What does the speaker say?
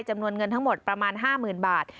จำนวนเงินทั้งหมดประมาณ๕๐๐๐บาท